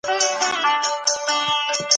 یوه په لویه کچه او بله په کوچنۍ.